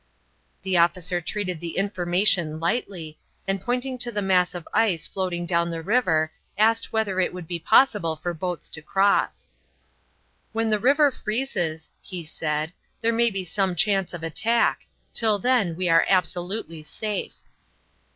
The officer treated the information lightly, and pointing to the mass of ice floating down the river asked whether it would be possible for boats to cross. "When the river freezes," he said, "there may be some chance of attack. Till then we are absolutely safe."